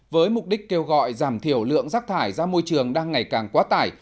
với mục đích kêu gọi giảm thiểu lượng rác thải ra môi trường đang ngày càng quá tải